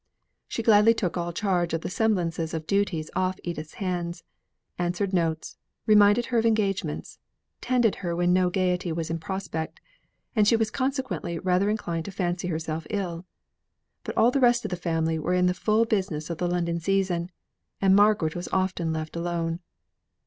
She gladly took all charge of the semblances of duties off Edith's hands; answered notes, reminded her of engagements, tended her when no gaiety was in prospect, and she was consequently rather inclined to fancy herself ill. But all the rest of the family were in the full business of the London season, and Margaret was often left alone.